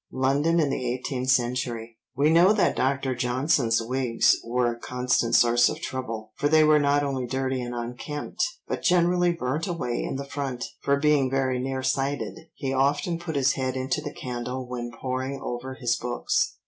(London in the Eighteenth Century.) We know that Dr. Johnson's wigs were a constant source of trouble, for they were not only dirty and unkempt, but generally burnt away in the front, for being very nearsighted, he often put his head into the candle when poring over his books.